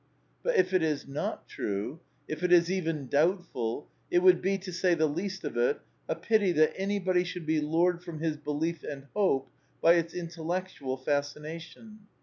But if it is not true, if it is even doubtful, it would be, to say the least of it, a pity that anybody should be lured from his belief and hope by its intellectual fascination.